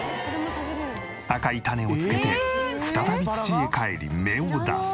赤いタネをつけて再び土へ返り芽を出す。